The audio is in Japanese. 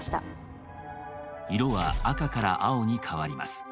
色は赤から青に変わります。